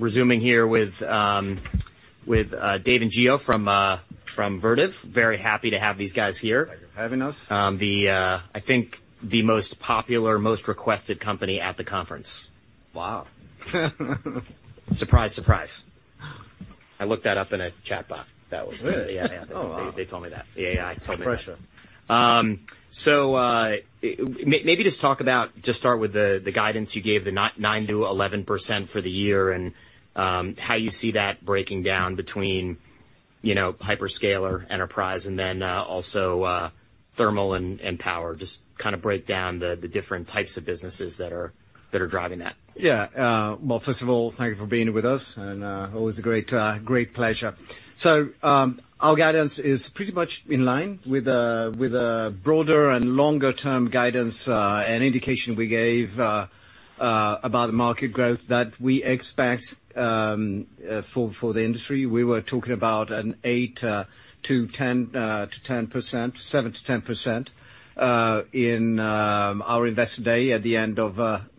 Resuming here with Dave and Gio from Vertiv. Very happy to have these guys here. Thank you for having us. I think the most popular, most requested company at the conference. Wow. Surprise, surprise. I looked that up in a chatbot. That was- Really? Yeah. Yeah. Oh, wow! They told me that. Yeah, Pressure. So, maybe just talk about just start with the guidance you gave, the 9%-11% for the year, and how you see that breaking down between, you know, hyperscaler enterprise and then also thermal and power. Just kind of break down the different types of businesses that are driving that. Yeah, well, first of all, thank you for being with us, and, always a great, great pleasure. So, our guidance is pretty much in line with, with a broader and longer-term guidance, and indication we gave, about the market growth that we expect, for, for the industry. We were talking about an 8 to 10 to 10 percent, 7 to 10 percent, in, our Investor Day at the end of,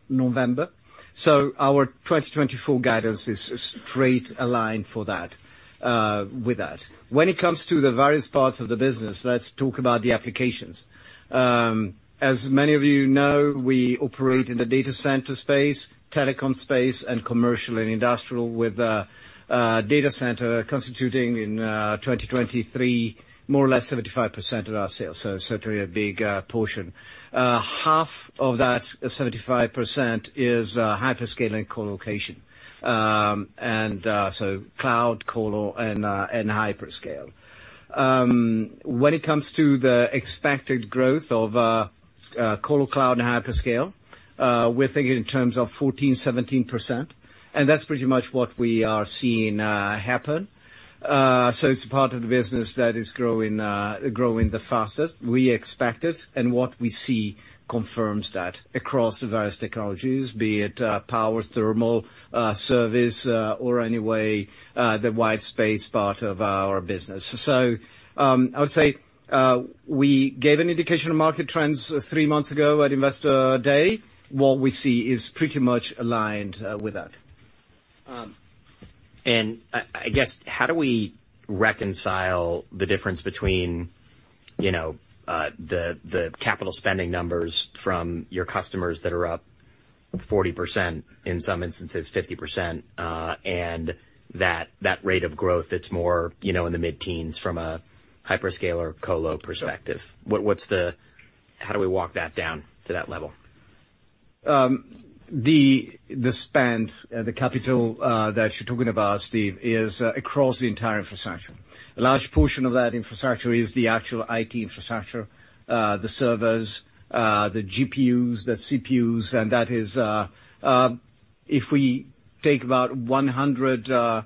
November. So our 2024 guidance is straight aligned for that, with that. When it comes to the various parts of the business, let's talk about the applications. As many of you know, we operate in the data center space, telecom space, and commercial and industrial, with data center constituting in 2023 more or less 75% of our sales, so certainly a big portion. Half of that 75% is hyperscale and colocation. So cloud, colo, and hyperscale. When it comes to the expected growth of colo, cloud, and hyperscale, we're thinking in terms of 14%-17%, and that's pretty much what we are seeing happen. So it's a part of the business that is growing the fastest. We expect it, and what we see confirms that across the various technologies, be it power, thermal, service, or anyway, the white space part of our business. So, I would say we gave an indication of market trends three months ago at Investor Day. What we see is pretty much aligned with that. I guess, how do we reconcile the difference between, you know, the capital spending numbers from your customers that are up 40%, in some instances 50%, and that rate of growth that's more, you know, in the mid-teens from a hyperscale or colo perspective? What’s the… How do we walk that down to that level? The spend, the capital that you're talking about, Steve, is across the entire infrastructure. A large portion of that infrastructure is the actual IT infrastructure, the servers, the GPUs, the CPUs, and that is, if we take about 100,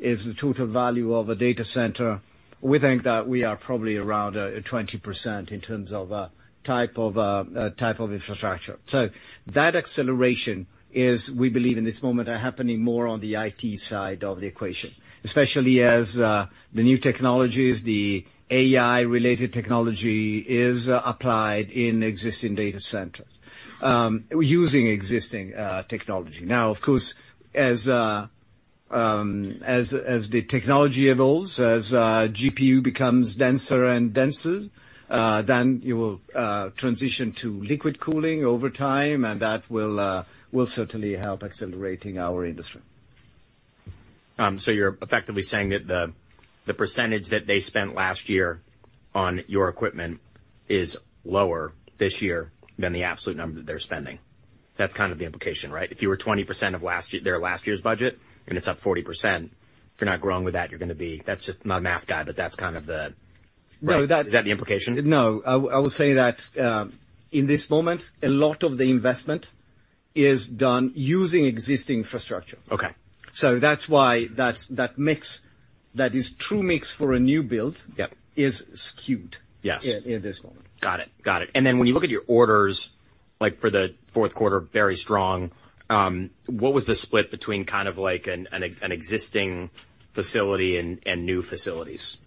is the total value of a data center, we think that we are probably around 20% in terms of type of infrastructure. So that acceleration is, we believe, in this moment, are happening more on the IT side of the equation, especially as the new technologies, the AI-related technology is applied in existing data centers, using existing technology. Now, of course, as the technology evolves, as GPU becomes denser and denser, then you will transition to liquid cooling over time, and that will certainly help accelerating our industry. So you're effectively saying that the percentage that they spent last year on your equipment is lower this year than the absolute number that they're spending. That's kind of the implication, right? If you were 20% of last year—their last year's budget, and it's up 40%, if you're not growing with that, you're gonna be... That's just, I'm not a math guy, but that's kind of the— No, that- Is that the implication? No. I will say that, in this moment, a lot of the investment is done using existing infrastructure. Okay. So that's why that mix, that is true mix for a new build- Yep is skewed. Yes in this moment. Got it. Got it. And then when you look at your orders, like for the fourth quarter, very strong, what was the split between kind of like an existing facility and new facilities,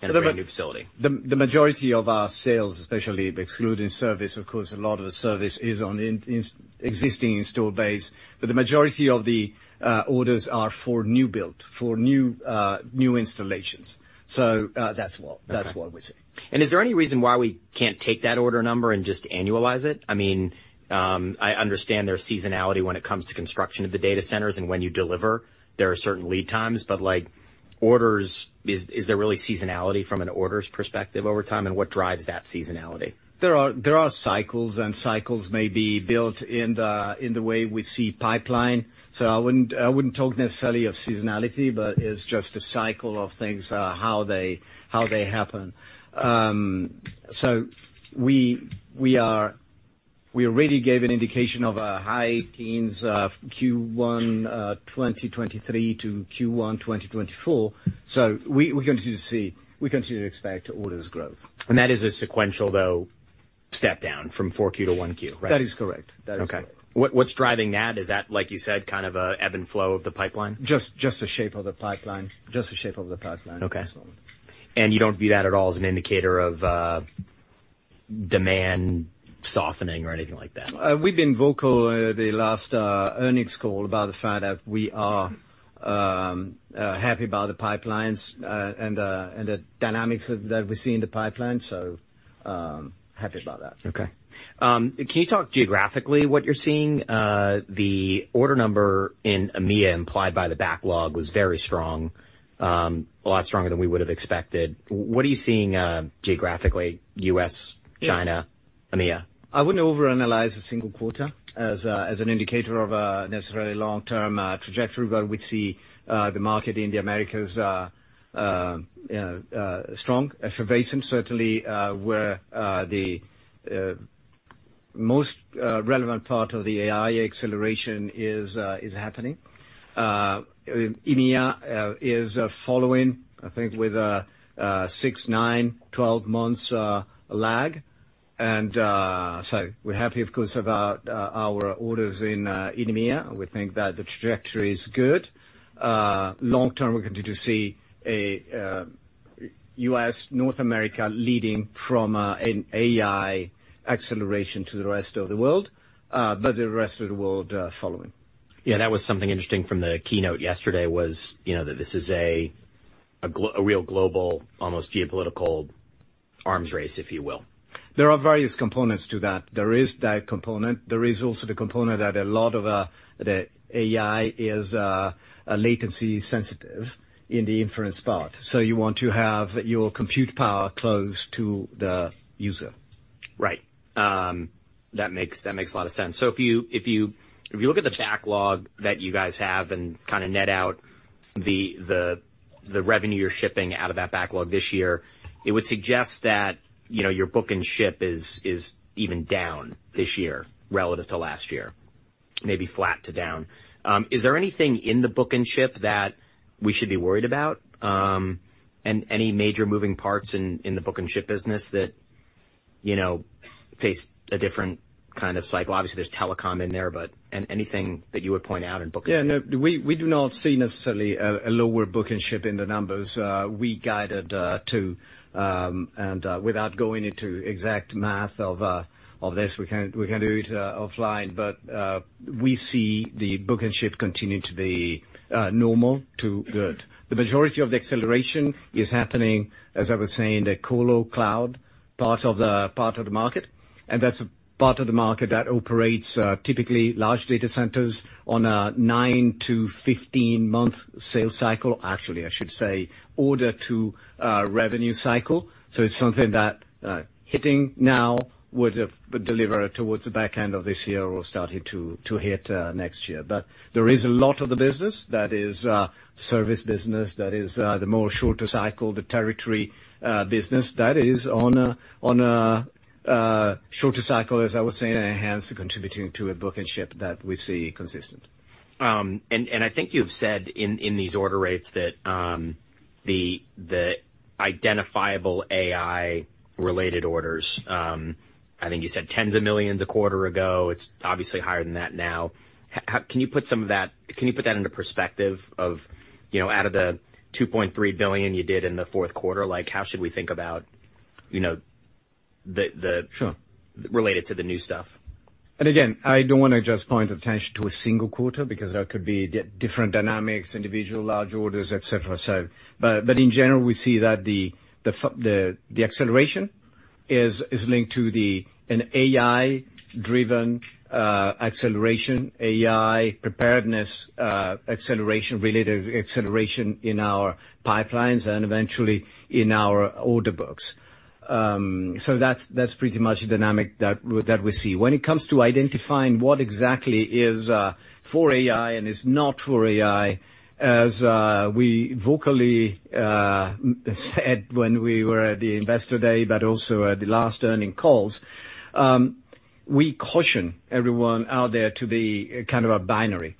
kind of a brand-new facility? The majority of our sales, especially excluding service, of course, a lot of the service is on existing installed base, but the majority of the orders are for new build, for new installations. So, that's what- Okay. That's what we see. Is there any reason why we can't take that order number and just annualize it? I mean, I understand there's seasonality when it comes to construction of the data centers, and when you deliver, there are certain lead times, but, like, orders, is there really seasonality from an orders perspective over time, and what drives that seasonality? There are cycles, and cycles may be built in the way we see pipeline. So I wouldn't talk necessarily of seasonality, but it's just a cycle of things, how they happen. So we are—we already gave an indication of high teens, Q1, 2023 to Q1, 2024. So we continue to see, we continue to expect orders growth. That is a sequential, though, step down from 4Q to 1Q, right? That is correct. That is correct. Okay. What, what's driving that? Is that, like you said, kind of an ebb and flow of the pipeline? Just, just the shape of the pipeline. Just the shape of the pipeline- Okay at this moment. You don't view that at all as an indicator of demand softening or anything like that? We've been vocal at the last earnings call about the fact that we are happy about the pipelines and the dynamics that we see in the pipeline, so happy about that. Okay. Can you talk geographically, what you're seeing? The order number in EMEA, implied by the backlog, was very strong, a lot stronger than we would have expected. What are you seeing, geographically, US, China- Yeah ... EMEA? I wouldn't overanalyze a single quarter as a, as an indicator of a necessarily long-term trajectory. But we see the market in the Americas strong. Effervescent, certainly, where the most relevant part of the AI acceleration is happening. EMEA is following, I think, with a 6, 9, 12 months lag. And so we're happy, of course, about our orders in EMEA. We think that the trajectory is good. Long term, we continue to see a U.S. North America leading from an AI acceleration to the rest of the world, but the rest of the world following. Yeah, that was something interesting from the keynote yesterday, you know, that this is a real global, almost geopolitical arms race, if you will. There are various components to that. There is that component. There is also the component that a lot of the AI is latency sensitive in the inference part. So you want to have your compute power close to the user. Right. That makes a lot of sense. So if you look at the backlog that you guys have and kind of net out the revenue you're shipping out of that backlog this year, it would suggest that, you know, your book and ship is even down this year relative to last year, maybe flat to down. Is there anything in the book and ship that we should be worried about? And any major moving parts in the book and ship business that, you know, face a different kind of cycle? Obviously, there's telecom in there, but anything that you would point out in book and ship. Yeah, no, we do not see necessarily a lower book and ship in the numbers. We guided to—and, without going into exact math of this, we can do it offline, but, we see the book and ship continuing to be normal to good. The majority of the acceleration is happening, as I was saying, in the colo cloud part of the market, and that's a part of the market that operates typically large data centers on a 9-15-month sales cycle. Actually, I should say, order to revenue cycle. So it's something that hitting now would deliver towards the back end of this year or starting to hit next year. But there is a lot of the business that is service business, that is the more shorter cycle, the territory business that is on a shorter cycle, as I was saying, and hence contributing to a book and ship that we see consistent. I think you've said in these order rates that the identifiable AI-related orders, I think you said $tens of millions a quarter ago. It's obviously higher than that now. Can you put that into perspective of, you know, out of the $2.3 billion you did in the fourth quarter, like, how should we think about, you know, the, the- Sure related to the new stuff? And again, I don't want to just point attention to a single quarter, because there could be different dynamics, individual large orders, et cetera, so. But in general, we see that the acceleration is linked to an AI-driven acceleration, AI preparedness acceleration, related acceleration in our pipelines and eventually in our order books. So that's pretty much the dynamic that we see. When it comes to identifying what exactly is for AI and is not for AI, as we vocally said when we were at the Investor Day, but also at the last earnings calls, we caution everyone out there to be kind of a binary.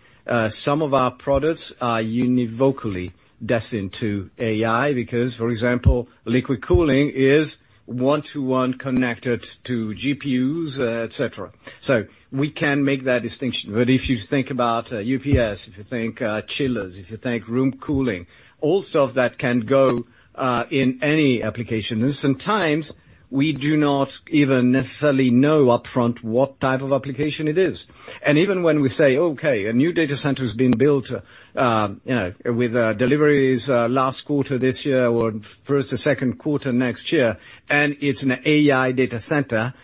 Some of our products are unequivocally destined to AI because, for example, liquid cooling is one-to-one connected to GPUs, et cetera. So we can make that distinction. But if you think about, UPS, if you think chillers, if you think room cooling, all stuff that can go in any application, and sometimes we do not even necessarily know upfront what type of application it is. And even when we say, "Okay, a new data center is being built, you know, with deliveries last quarter, this year or first or second quarter next year, and it's an AI data center,"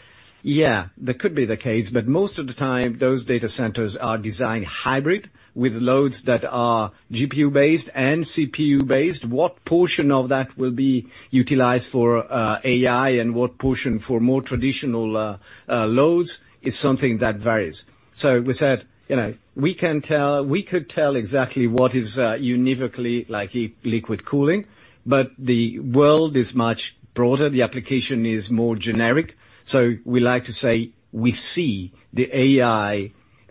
yeah, that could be the case, but most of the time, those data centers are designed hybrid, with loads that are GPU-based and CPU-based. What portion of that will be utilized for AI and what portion for more traditional loads is something that varies. So we said, you know, we can tell—we could tell exactly what is unequivocally like liquid cooling, but the world is much broader. The application is more generic. So we like to say we see the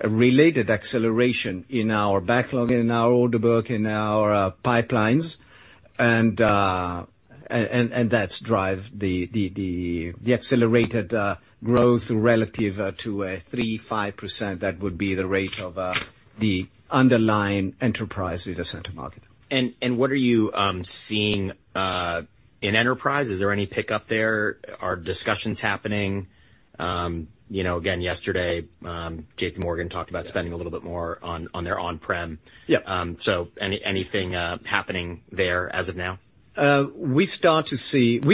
AI-related acceleration in our backlog and in our order book, in our pipelines, and that's drive the accelerated growth relative to a 3-5%. That would be the rate of the underlying enterprise data center market. What are you seeing in enterprise? Is there any pickup there? Are discussions happening? You know, again, yesterday JP Morgan talked about spending a little bit more on their on-prem. Yeah. Anything happening there as of now? We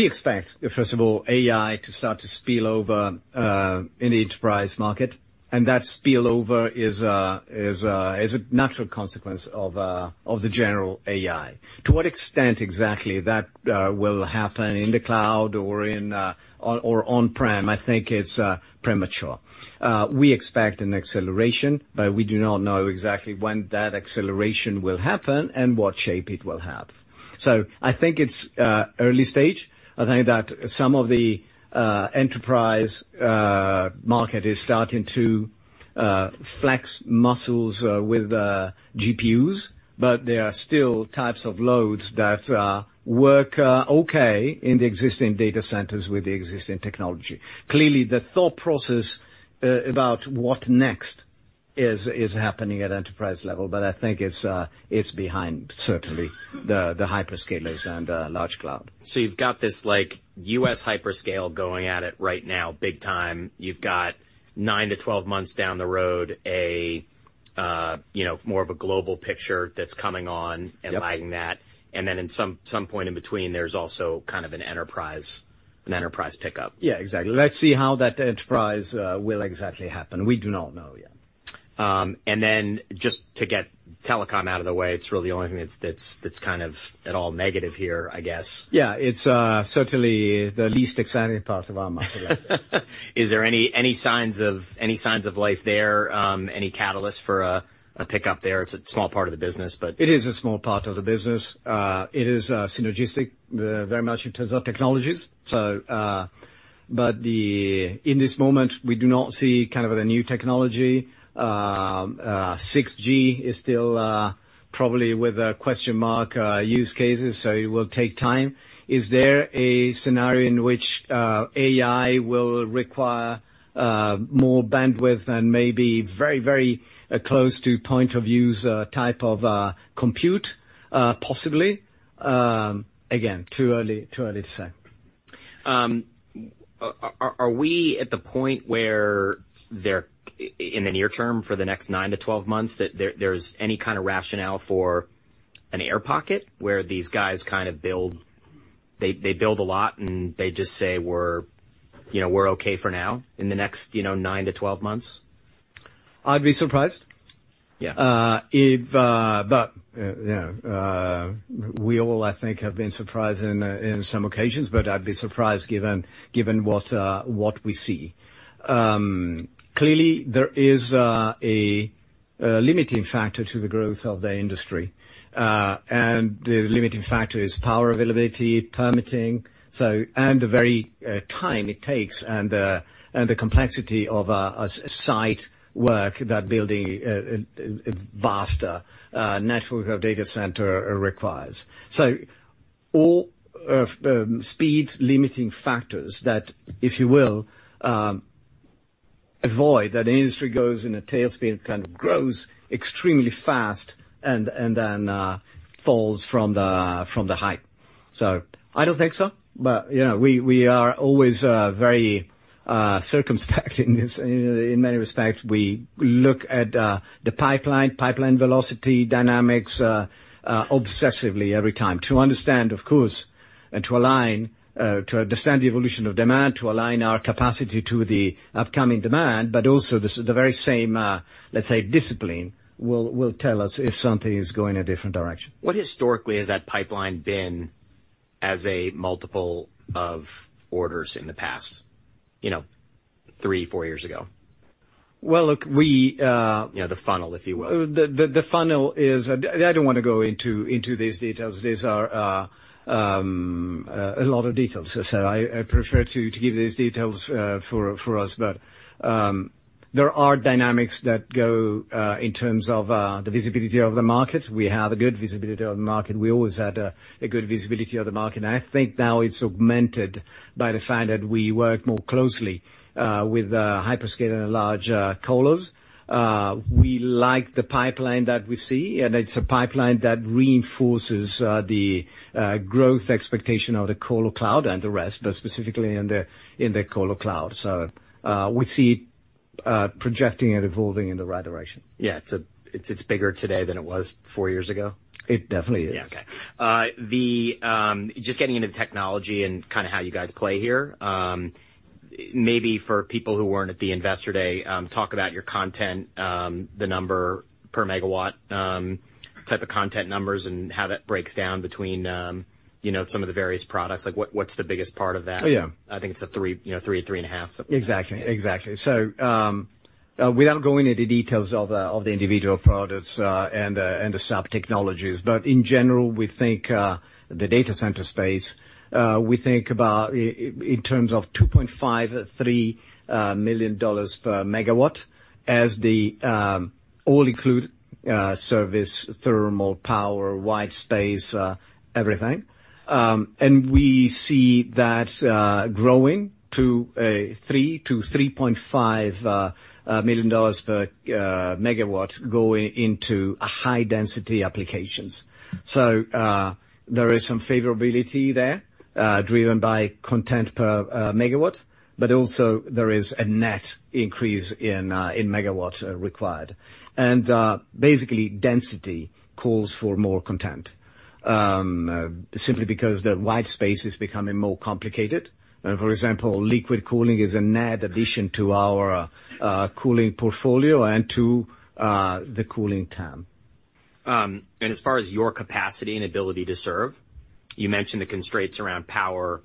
expect, first of all, AI to start to spill over in the enterprise market, and that spillover is a natural consequence of the general AI. To what extent exactly that will happen in the cloud or on-prem, I think it's premature. We expect an acceleration, but we do not know exactly when that acceleration will happen and what shape it will have. So I think it's early stage. I think that some of the enterprise market is starting to flex muscles with GPUs, but there are still types of loads that work okay in the existing data centers with the existing technology. Clearly, the thought process about what next is happening at enterprise level, but I think it's behind, certainly, the hyperscalers and large cloud. So you've got this, like, U.S. hyperscale going at it right now, big time. You've got 9-12 months down the road, you know, more of a global picture that's coming on- Yep. -and buying that. And then, in some point in between, there's also kind of an enterprise pickup. Yeah, exactly. Let's see how that enterprise will exactly happen. We do not know yet. And then just to get telecom out of the way, it's really the only thing that's kind of at all negative here, I guess. Yeah, it's certainly the least exciting part of our market. Is there any signs of life there, any catalyst for a pickup there? It's a small part of the business, but- It is a small part of the business. It is synergistic, very much in terms of technologies. So, but in this moment, we do not see kind of a new technology. 6G is still probably with a question mark use cases, so it will take time. Is there a scenario in which AI will require more bandwidth and maybe very, very close to point of use type of compute? Possibly. Again, too early, too early to say. Are we at the point where, in the near term, for the next 9-12 months, there's any kind of rationale for an air pocket, where these guys kind of build, they build a lot, and they just say, "We're, you know, okay for now," in the next, you know, 9-12 months? I'd be surprised. Yeah. If but, you know, we all, I think, have been surprised in, in some occasions, but I'd be surprised given, given what, what we see. Clearly there is a limiting factor to the growth of the industry, and the limiting factor is power availability, permitting, so, and the very time it takes, and the complexity of a site work that building a vaster network of data center requires. So all of speed-limiting factors that, if you will, avoid, that industry goes in a tailspin, kind of grows extremely fast and then falls from the height. So I don't think so, but, you know, we are always very circumspect in this in many respects. We look at the pipeline, pipeline velocity, dynamics obsessively every time to understand, of course, and to align to understand the evolution of demand, to align our capacity to the upcoming demand, but also the very same, let's say, discipline will tell us if something is going a different direction. What historically has that pipeline been as a multiple of orders in the past, you know, 3, 4 years ago? Well, look, we, You know, the funnel, if you will. The funnel is... I don't want to go into these details. These are a lot of details, so I prefer to give these details for us. But there are dynamics that go in terms of the visibility of the market. We have a good visibility of the market. We always had a good visibility of the market, and I think now it's augmented by the fact that we work more closely with hyperscale and large colos. We like the pipeline that we see, and it's a pipeline that reinforces the growth expectation of the colo cloud and the rest, but specifically in the colo cloud. So we see projecting and evolving in the right direction. Yeah. It's bigger today than it was four years ago? It definitely is. Yeah. Okay. Just getting into the technology and kinda how you guys play here, maybe for people who weren't at the Investor Day, talk about your content, the number per megawatt, type of content numbers and how that breaks down between, you know, some of the various products. Like, what's the biggest part of that? Oh, yeah. I think it's a 3, you know, 3, 3.5, something. Exactly. Exactly. So, without going into the details of the individual products and the sub-technologies, but in general, we think the data center space we think about in terms of $2.5-$3 million per megawatt as the all-inclusive service, thermal, power, white space, everything. And we see that growing to $3-$3.5 million per megawatt going into high-density applications. So, there is some favorability there driven by content per megawatt, but also there is a net increase in megawatts required. And basically, density calls for more content simply because the white space is becoming more complicated. For example, liquid cooling is an addition to our cooling portfolio and to the cooling term. As far as your capacity and ability to serve, you mentioned the constraints around power,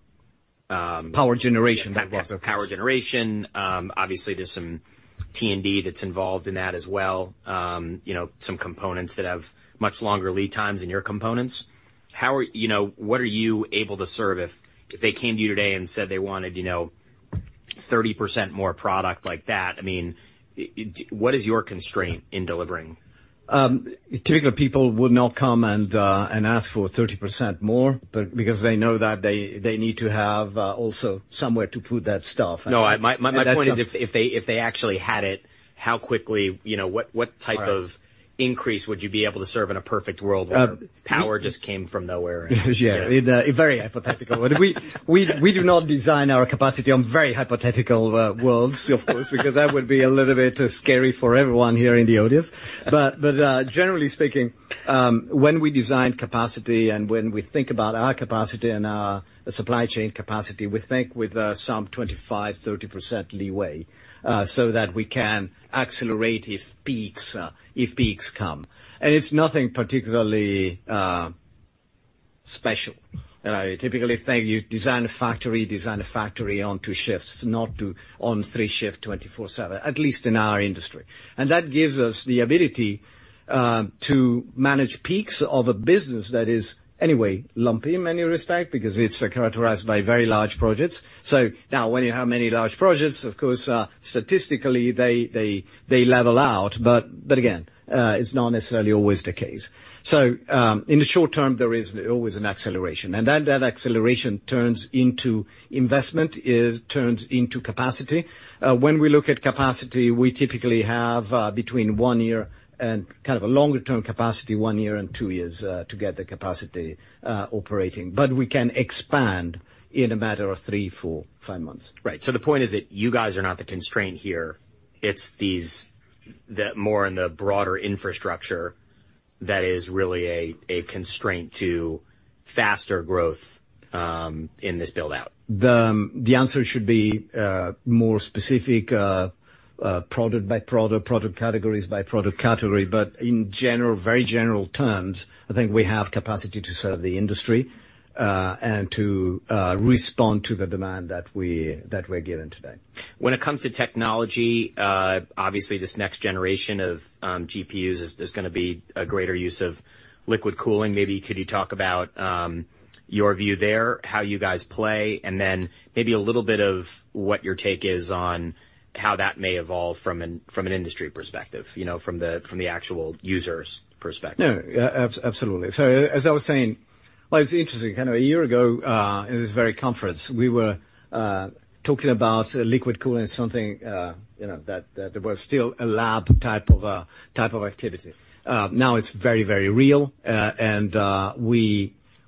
Power generation. Power generation. Obviously, there's some T&D that's involved in that as well. You know, some components that have much longer lead times than your components. How are... You know, what are you able to serve if, if they came to you today and said they wanted, you know, 30% more product like that? I mean, what is your constraint in delivering? Typically, people would not come and ask for 30% more, but because they know that they need to have also somewhere to put that stuff. No, my point is if they actually had it, how quickly, you know, what type- Right... of increase would you be able to serve in a perfect world where- Uh power just came from nowhere? Yeah, very hypothetical. We do not design our capacity on very hypothetical worlds, of course, because that would be a little bit scary for everyone here in the audience. But generally speaking, when we design capacity and when we think about our capacity and our supply chain capacity, we think with some 25-30% leeway, so that we can accelerate if peaks come. And it's nothing particularly special. Typically, you design a factory on two shifts, not on three shifts, 24/7, at least in our industry. And that gives us the ability to manage peaks of a business that is anyway lumpy in many respects, because it's characterized by very large projects. So now, when you have many large projects, of course, statistically, they level out. But again, it's not necessarily always the case. So, in the short term, there is always an acceleration, and then that acceleration turns into investment, it turns into capacity. When we look at capacity, we typically have between one year and kind of a longer-term capacity, one year and two years, to get the capacity operating. But we can expand in a matter of three, four, five months. Right. So the point is that you guys are not the constraint here. It's these, the more in the broader infrastructure that is really a constraint to faster growth, in this build-out. The answer should be more specific, product by product, product categories by product category. But in general, very general terms, I think we have capacity to serve the industry, and to respond to the demand that we're given today. When it comes to technology, obviously this next generation of GPUs, there's gonna be a greater use of liquid cooling. Maybe could you talk about your view there, how you guys play, and then maybe a little bit of what your take is on how that may evolve from an industry perspective, you know, from the actual user's perspective? No, absolutely. So as I was saying, well, it's interesting, kind of a year ago, in this very conference, we were talking about liquid cooling, something you know that that was still a lab type of activity. Now it's very, very real, and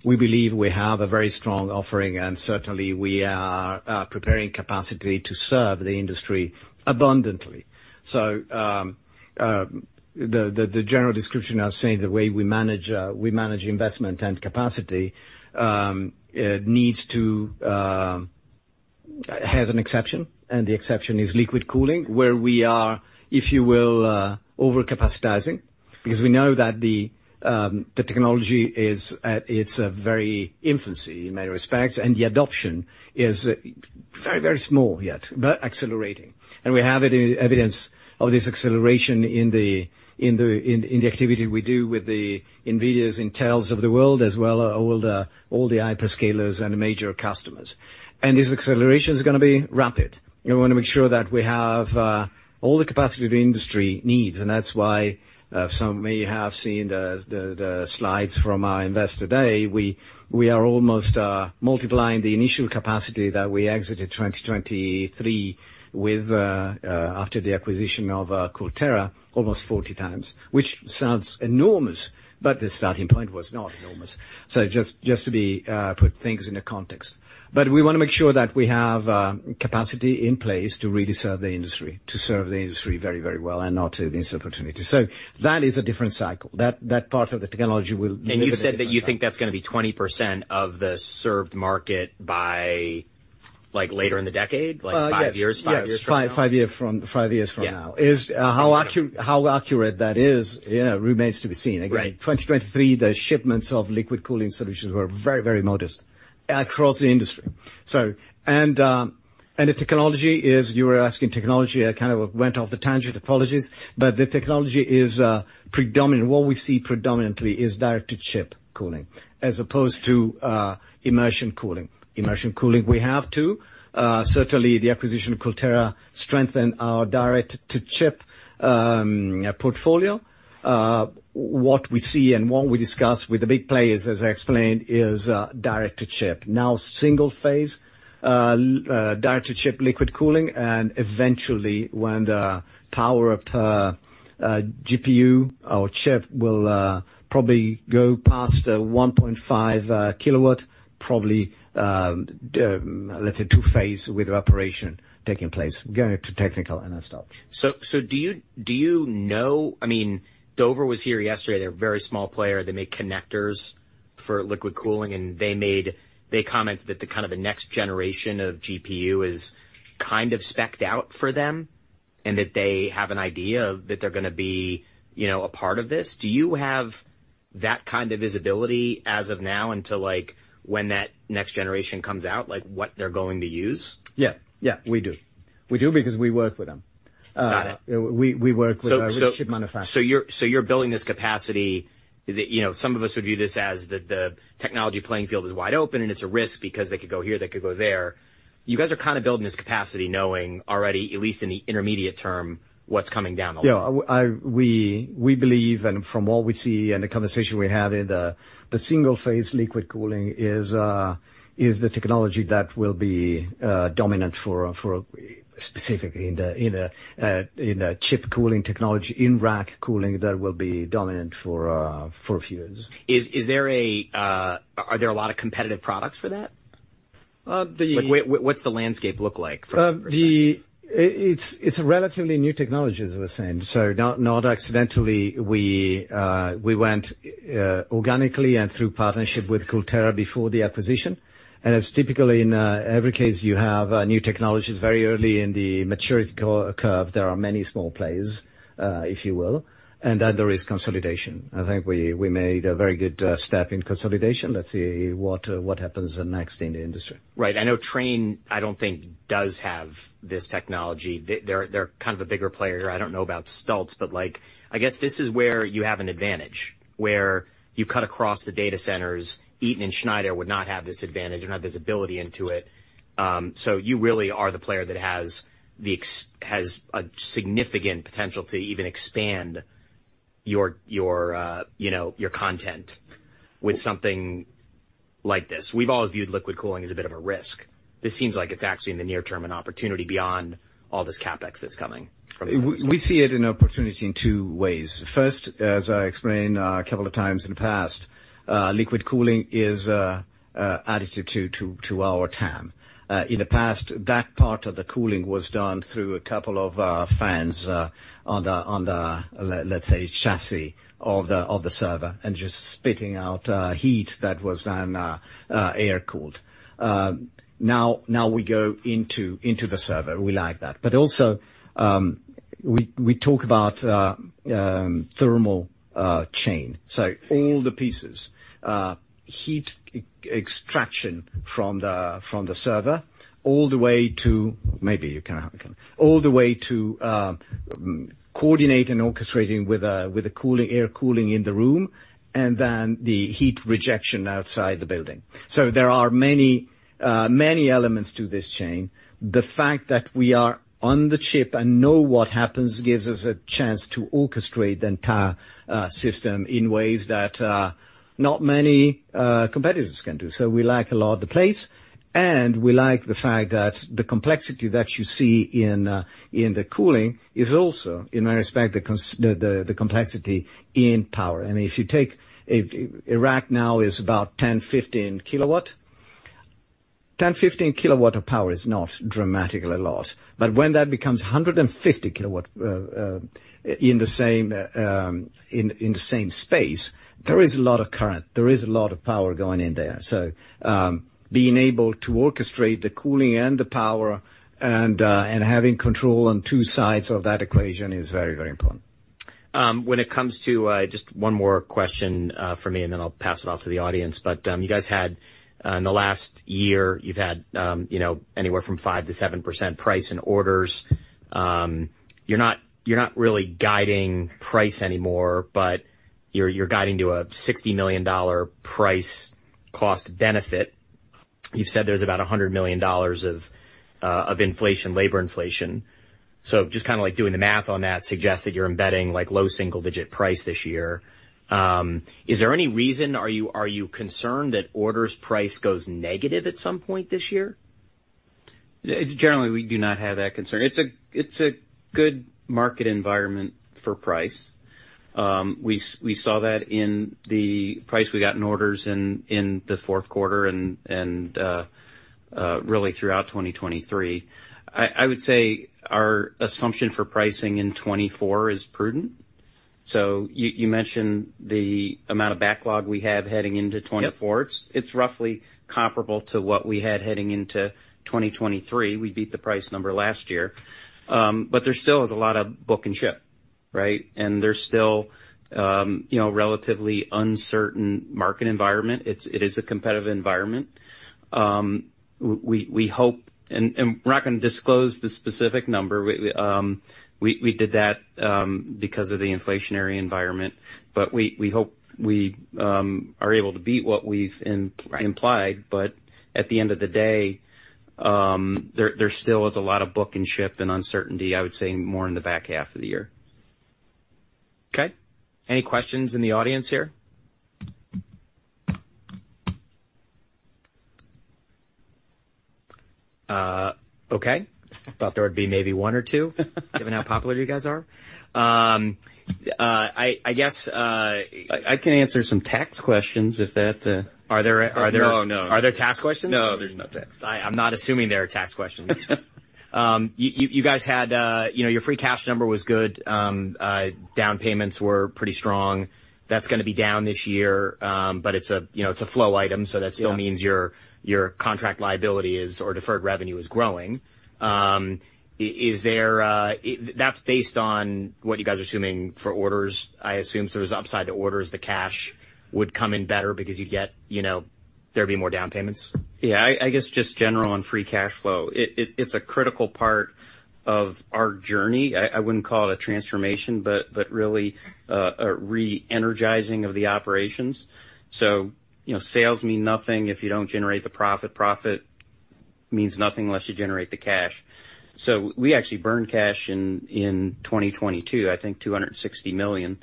we believe we have a very strong offering, and certainly, we are preparing capacity to serve the industry abundantly. So, the general description, I was saying the way we manage we manage investment and capacity, it needs to has an exception, and the exception is liquid cooling, where we are, if you will, overcapacitating, because we know that the technology is at its very infancy in many respects, and the adoption is very, very small yet, but accelerating. We have evidence of this acceleration in the activity we do with the NVIDIAs, Intels of the world, as well as all the hyperscalers and the major customers. And this acceleration is gonna be rapid. We want to make sure that we have all the capacity the industry needs, and that's why some may have seen the slides from our investor day. We are almost multiplying the initial capacity that we exited 2023 with, after the acquisition of CoolTera, almost 40 times, which sounds enormous, but the starting point was not enormous. So just to put things into context. But we want to make sure that we have capacity in place to really serve the industry, to serve the industry very, very well and not to miss opportunity. So that is a different cycle. That, that part of the technology will- You said that you think that's going to be 20% of the served market by, like, later in the decade? Uh, yes. Like 5 years, 5 years from now? Yes, five years from now. Yeah. How accurate that is, yeah, remains to be seen. Right. Again, 2023, the shipments of liquid cooling solutions were very, very modest across the industry. So, the technology is, you were asking technology, I kind of went off the tangent, apologies, but the technology is predominant. What we see predominantly is direct to chip cooling, as opposed to immersion cooling. Immersion cooling, we have, too. Certainly the acquisition of CoolTera strengthened our direct to chip portfolio. What we see and what we discuss with the big players, as I explained, is direct to chip. Now, single phase direct to chip liquid cooling, and eventually, when the power per GPU or chip will probably go past 1.5 kW, probably, let's say, two phase with evaporation taking place. Getting too technical, and I'll stop. So, do you know... I mean, Dover was here yesterday. They're a very small player. They make connectors for liquid cooling, and they made, they commented that the kind of the next generation of GPU is kind of specced out for them, and that they have an idea that they're going to be, you know, a part of this. Do you have that kind of visibility as of now until, like, when that next generation comes out, like, what they're going to use? Yeah. Yeah, we do. We do because we work with them. Got it. We work with our chip manufacturers. So you're building this capacity that, you know, some of us would view this as the technology playing field is wide open, and it's a risk because they could go here, they could go there. You guys are kind of building this capacity, knowing already, at least in the intermediate term, what's coming down the line. Yeah, we believe, and from what we see and the conversation we had, in the single-phase liquid cooling is the technology that will be dominant for specifically in the chip cooling technology, in rack cooling, that will be dominant for a few years. Are there a lot of competitive products for that? Uh, the- Like, what's the landscape look like from- It's a relatively new technology, as I was saying. So not, not accidentally, we, we went organically and through partnership with CoolTera before the acquisition. And as typically in every case, you have new technologies very early in the maturity curve. There are many small players, if you will, and then there is consolidation. I think we, we made a very good step in consolidation. Let's see what, what happens next in the industry. Right. I know Trane. I don't think does have this technology. They're kind of a bigger player. I don't know about Stulz, but, like, I guess this is where you have an advantage, where you cut across the data centers. Eaton and Schneider would not have this advantage and have visibility into it. So you really are the player that has a significant potential to even expand your, you know, your content with something like this. We've always viewed liquid cooling as a bit of a risk. This seems like it's actually, in the near term, an opportunity beyond all this CapEx that's coming from it. We see it an opportunity in two ways. First, as I explained a couple of times in the past, liquid cooling is additive to our TAM. In the past, that part of the cooling was done through a couple of fans on the, let's say, chassis of the server, and just spitting out heat that was then air-cooled. Now we go into the server. We like that. But also, we talk about thermal chain, so all the pieces, heat extraction from the server, all the way to... Maybe you can all the way to coordinate and orchestrating with the cooling, air cooling in the room, and then the heat rejection outside the building. So there are many, many elements to this chain. The fact that we are on the chip and know what happens, gives us a chance to orchestrate the entire system in ways that not many competitors can do. So we like a lot of the place, and we like the fact that the complexity that you see in the cooling is also, in my respect, the complexity in power. I mean, if you take a rack now is about 10-15 kW. 10-15 kW of power is not dramatically a lot, but when that becomes 150 kW in the same space, there is a lot of current, there is a lot of power going in there. Being able to orchestrate the cooling and the power and having control on two sides of that equation is very, very important. When it comes to, just one more question, from me, and then I'll pass it off to the audience. But, you guys had, in the last year, you've had, you know, anywhere from 5%-7% price in orders. You're not, you're not really guiding price anymore, but you're, you're guiding to a $60 million price cost benefit. You've said there's about a $100 million of, of inflation, labor inflation. So just kind of like doing the math on that suggests that you're embedding, like, low single digit price this year. Is there any reason, are you, are you concerned that orders price goes negative at some point this year? Generally, we do not have that concern. It's a good market environment for price. We saw that in the price we got in orders in the fourth quarter and really throughout 2023. I would say our assumption for pricing in 2024 is prudent. So you mentioned the amount of backlog we have heading into 2024. Yep. It's roughly comparable to what we had heading into 2023. We beat the price number last year, but there still is a lot of book and ship. Right? And there's still, you know, a relatively uncertain market environment. It is a competitive environment. We hope, and we're not gonna disclose the specific number. We did that because of the inflationary environment, but we hope we are able to beat what we've implied. But at the end of the day, there still is a lot of book and ship and uncertainty, I would say, more in the back half of the year. Okay. Any questions in the audience here? Okay. I thought there would be maybe one or two - given how popular you guys are. I guess, I can answer some tax questions, if that... Are there- No, no. Are there tax questions? No, there's no tax. I'm not assuming there are tax questions. You guys had, you know, your free cash number was good. Down payments were pretty strong. That's gonna be down this year, but it's a, you know, it's a flow item, so that- Yeah... still means your, your contract liability is, or deferred revenue is growing. Is there, that's based on what you guys are assuming for orders, I assume, so there's upside to orders. The cash would come in better because you'd get, you know, there'd be more down payments? Yeah. I guess just general on free cash flow, it's a critical part of our journey. I wouldn't call it a transformation, but really a re-energizing of the operations. So, you know, sales mean nothing if you don't generate the profit. Profit means nothing unless you generate the cash. So we actually burned cash in 2022, I think $260 million.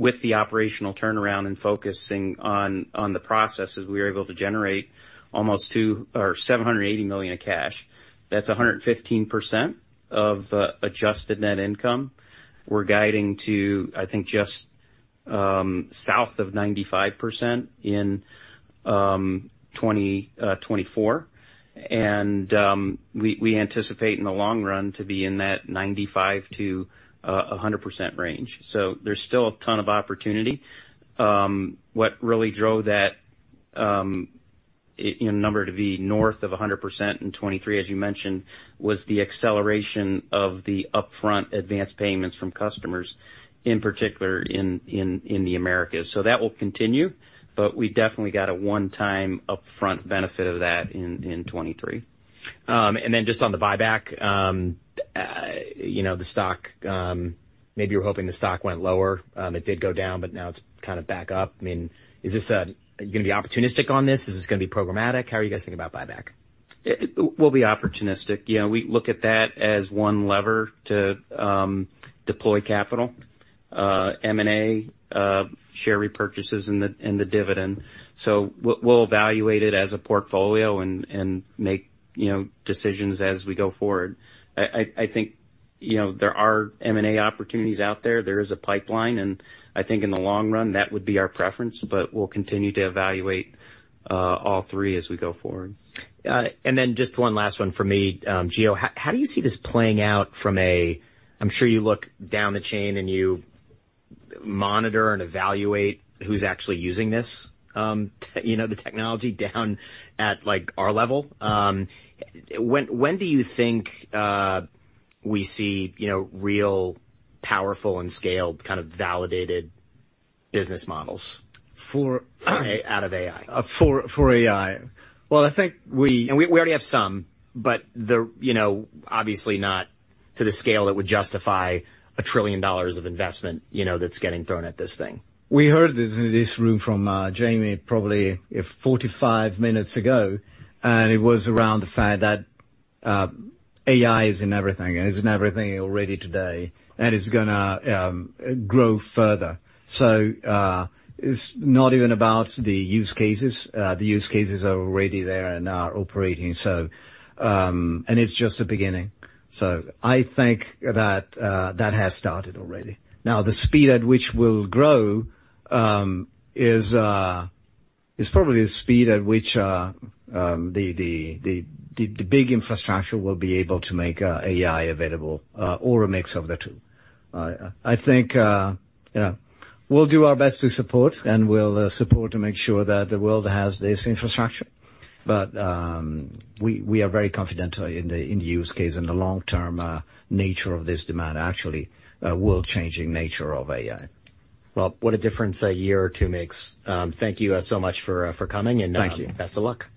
With the operational turnaround and focusing on the processes, we were able to generate almost $270 million in cash. That's 115% of adjusted net income. We're guiding to, I think, just south of 95% in 2024. And we anticipate in the long run to be in that 95%-100% range. So there's still a ton of opportunity. What really drove that, you know, number to be north of 100% in 2023, as you mentioned, was the acceleration of the upfront advanced payments from customers, in particular in the Americas. So that will continue, but we definitely got a one-time upfront benefit of that in 2023. And then just on the buyback, you know, the stock... Maybe you were hoping the stock went lower. It did go down, but now it's kind of back up. I mean, is this you gonna be opportunistic on this? Is this gonna be programmatic? How are you guys thinking about buyback? We'll be opportunistic. You know, we look at that as one lever to deploy capital, M&A, share repurchases, and the dividend. So we'll evaluate it as a portfolio and make, you know, decisions as we go forward. I think, you know, there are M&A opportunities out there. There is a pipeline, and I think in the long run, that would be our preference, but we'll continue to evaluate all three as we go forward. And then just one last one for me. Gio, how, how do you see this playing out from a... I'm sure you look down the chain, and you monitor and evaluate who's actually using this, you know, the technology down at, like, our level. When, when do you think we see, you know, real powerful and scaled, kind of validated business models? For- Out of AI. For AI. Well, I think we- We already have some, but, you know, obviously not to the scale that would justify $1 trillion of investment, you know, that's getting thrown at this thing. We heard this in this room from Jamie, probably 45 minutes ago, and it was around the fact that AI is in everything, and it's in everything already today, and it's gonna grow further. So it's not even about the use cases. The use cases are already there and are operating. So and it's just the beginning. So I think that that has started already. Now, the speed at which we'll grow is probably the speed at which the big infrastructure will be able to make AI available or a mix of the two. I think you know, we'll do our best to support, and we'll support to make sure that the world has this infrastructure. We are very confident in the use case and the long-term nature of this demand, actually, world-changing nature of AI. Well, what a difference a year or two makes. Thank you so much for coming, and Thank you. Best of luck.